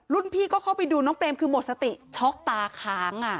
พี่ก็เข้าไปดูน้องเปรมคือหมดสติช็อกตาค้าง